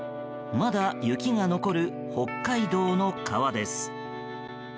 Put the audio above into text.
まだ雪が残る北海道の川です。